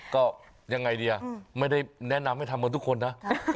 ก็ยังไงดีไม่ได้แนะนำให้ทำเหมือนทุกคนนะ